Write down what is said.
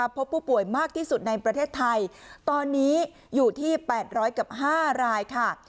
พบผู้ป่วยมากที่สุดในประเทศไทยตอนนี้อยู่ที่๘๐๐กับ๕รายค่ะ